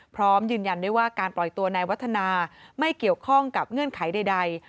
พร้อมยืนยันด้วยว่าการปล่อยตัวนายวัฒนาไม่เกี่ยวข้องกับเงื่อนไขใด